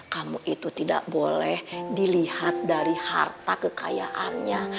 kamu itu tidak boleh dilihat dari harta kekayaannya